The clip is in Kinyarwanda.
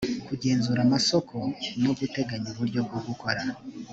kugenzura amasoko no guteganya uburyo bwo gukora